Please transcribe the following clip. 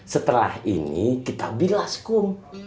setelah ini kita bilas kum